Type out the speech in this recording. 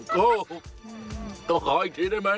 กูมีเข้าขออีกทีได้ไหม